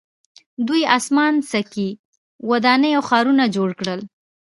دوی اسمان څکې ودانۍ او ښارونه جوړ کړل.